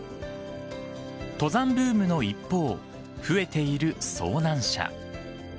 登山ブームの一方、増えている遭難者。